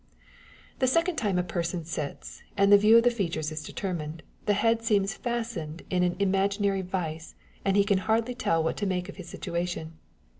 The second time a person sits, and the view of the features is determined, the head seems fastened in an ima ginary vice, and he can hardly tell what to make of his situation.